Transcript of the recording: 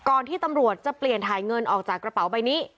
ที่ตำรวจจะเปลี่ยนถ่ายเงินออกจากกระเป๋าใบนี้